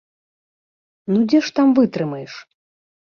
Ну дзе ж там вытрымаеш!